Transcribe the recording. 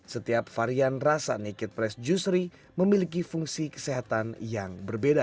setiap varian rasa naked press juicery memiliki fungsi kesehatan yang berbeda